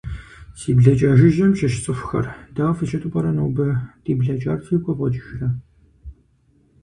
Си блакӏа жыжьэм щыщ цӏыхухэр, дау фыщыту пӏэрэ нобэ - ди блэкӏар фигу къэвгъэкӏыжырэ?